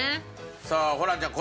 さあホランちゃん